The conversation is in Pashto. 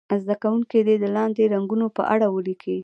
زده کوونکي دې د لاندې رنګونو په اړه ولیکي.